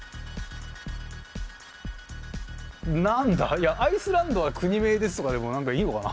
いやアイスランドは国名ですとかでも何かいいのかな。